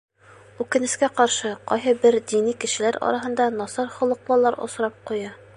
Үкенескә ҡаршы, ҡайһы бер дини кешеләр араһында насар холоҡлолар осрап ҡуя.